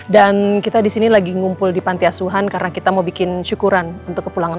dan kita disini lagi ngumpul di pantiasuhan karena kita mau bikin syukuran untuk kepulangan